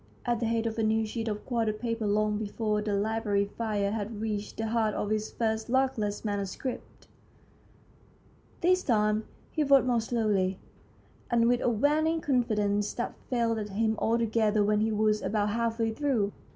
at the head of a new sheet of quarto paper long before the library fire had reached the heart of his first luckless manuscript. This time he wrote more slowly, and with a waning confidence that failed him altogether when he was about half way through.